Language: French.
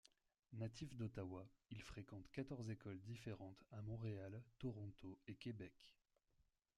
Natif d'Ottawa, il fréquente quatorze écoles différentes à Montréal, Toronto et Québec.